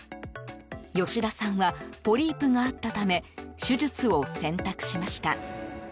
吉田さんはポリープがあったため手術を選択しました。